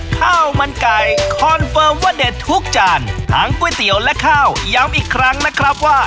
ข้าวมันไก่คอนเฟิร์มว่าเด็ดทุกจานทั้งก๋วยเตี๋ยวและข้าวย้ำอีกครั้งนะครับว่า